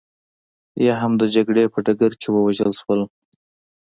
یا هم د جګړې په ډګر کې ووژل شول